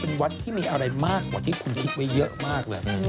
เป็นวัดที่มีอะไรมากกว่าที่คุณคิดไว้เยอะมากเลย